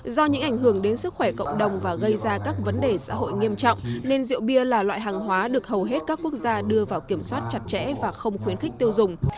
do những ảnh hưởng đến sức khỏe cộng đồng và gây ra các vấn đề xã hội nghiêm trọng nên rượu bia là loại hàng hóa được hầu hết các quốc gia đưa vào kiểm soát chặt chẽ và không khuyến khích tiêu dùng